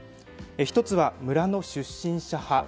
１つは村の出身者派